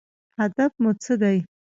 هدف مو څه دی؟